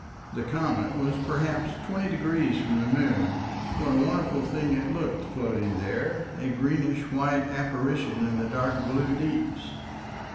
The comet was perhaps twenty degrees from the moon. What a wonderful thing it looked floating there, a greenish white apparition in the dark blue deeps!